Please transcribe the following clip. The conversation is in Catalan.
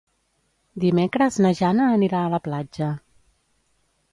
Dimecres na Jana anirà a la platja.